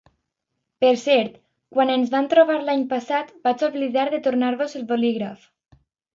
Per cert, quan ens vam trobar l'any passat, vaig oblidar de tornar-vos el bolígraf.